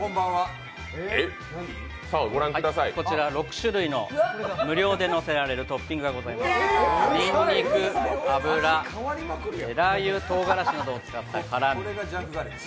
こちら６種類の無料でのせられるトッピングがございます、にんにく、アブラ、ラー油とうがらしを使ったものです。